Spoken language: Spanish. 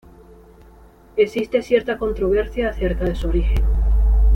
Existe cierta controversia acerca de su origen.